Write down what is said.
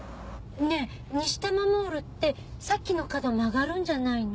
ねぇにしたまモールってさっきの角曲がるんじゃないの？